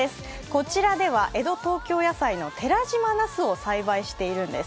こちらでは江戸東京野菜の寺島なすを栽培しているんです。